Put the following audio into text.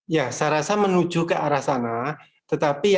ya saya rasa menuju ke arah saat ini ya